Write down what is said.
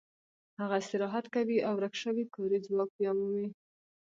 هغه استراحت کوي او ورک شوی کاري ځواک بیا مومي